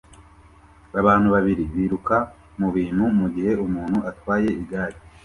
Abantu babiri biruka mubintu mugihe umuntu atwaye igare